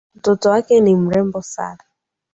Mtoto wake ni mrembo.